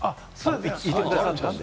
言ってくださったんで、